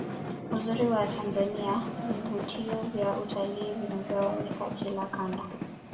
uzuri wa tanzania vivutio vya utalii vimegawanyika kila Kanda